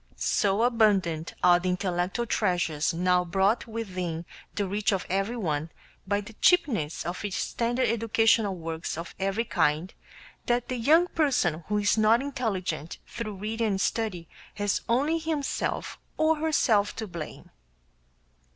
So abundant are the intellectual treasures now brought within the reach of everyone by the cheapness of standard educational works of every kind, that the young person who is not intelligent through reading and study has only himself or herself to blame.